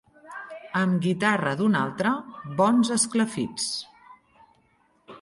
Amb guitarra d'un altre, bons esclafits.